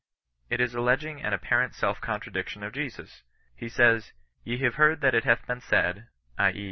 It is alleging an apparent self contradiction of Jesus. He says, " Ye have heard that it hath been said (i. e.